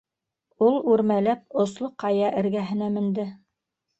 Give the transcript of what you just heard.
Ул үрмәләп, осло ҡая эргәһенә менде.